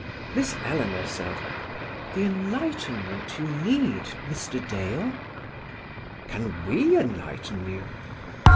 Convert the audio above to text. Miss Eleanor said: "The enlightenment you need, Mr. Dale? Can we enlighten you?"